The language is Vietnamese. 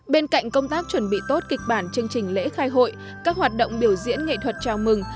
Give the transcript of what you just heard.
bên cạnh công tác chuẩn bị tốt kịch bản chương trình lễ khai hội các hoạt động biểu diễn nghệ thuật chào mừng